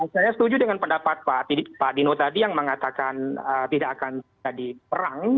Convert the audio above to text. saya setuju dengan pendapat pak dino tadi yang mengatakan tidak akan jadi perang